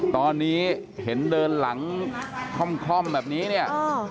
ตอนนี้เห็นเดินหลังคล่อมแบบนี้เนี่ย